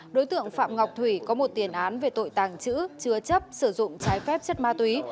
đối tượng phạm ngọc thủy có một tiền án về tội tàng trữ chứa chấp sử dụng trái phép chất ma túy